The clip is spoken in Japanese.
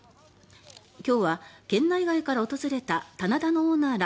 今日は県内外から訪れた棚田のオーナーら